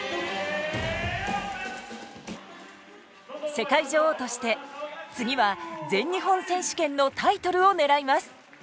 世界女王として次は全日本選手権のタイトルを狙います。